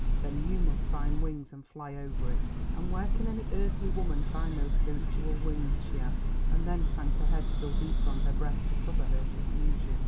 "Then you must find wings and fly over it." "And where can any earthly woman find those spiritual wings?" she asked, and then sank her head still deeper on her breast to cover her confusion.